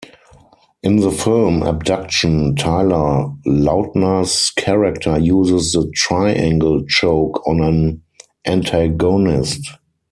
In the film "Abduction", Taylor Lautner's character uses the triangle choke on an antagonist.